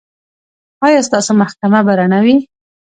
ایا ستاسو محکمه به رڼه وي؟